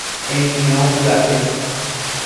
Eñyrõ pya'e